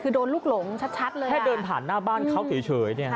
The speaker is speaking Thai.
คือโดนลูกหลงชัดเลยแค่เดินผ่านหน้าบ้านเขาเฉย